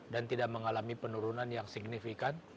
dan tidak mengalami penurunan yang signifikan